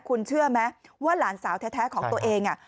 คุณเชื่อไหมว่าหลานสาวแท้ของตัวเอง